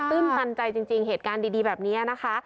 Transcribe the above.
ื้นตันใจจริงเหตุการณ์ดีแบบนี้นะคะ